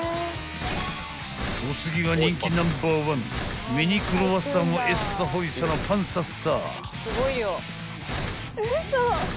［お次は人気ナンバーワンミニクロワッサンをえっさほいさのパンさっさ］